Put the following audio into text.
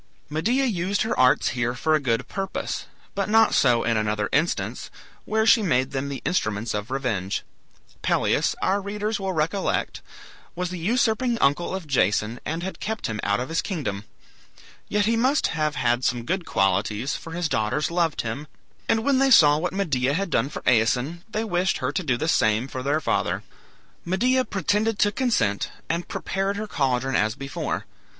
Medea used her arts here for a good purpose, but not so in another instance, where she made them the instruments of revenge. Pelias, our readers will recollect, was the usurping uncle of Jason, and had kept him out of his kingdom. Yet he must have had some good qualities, for his daughters loved him, and when they saw what Medea had done for Aeson, they wished her to do the same for their father. Medea pretended to consent, and prepared her caldron as before.